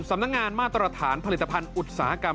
สำนักงานมาตรฐานผลิตภัณฑ์อุตสาหกรรม